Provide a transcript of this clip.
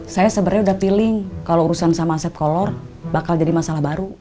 saya sebenarnya udah feeling kalau urusan sama aset kolor bakal jadi masalah baru